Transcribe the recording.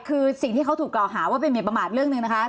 คือสิ่งที่เขาถูกกล่าวหาว่าเป็นหมินประมาทเรื่องหนึ่งนะคะ